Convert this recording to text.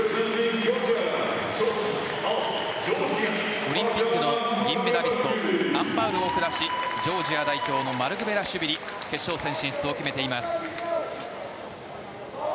オリンピックの銀メダリストアン・バウルを下しジョージア代表のマルクベラシュビリ決勝戦進出を決めています。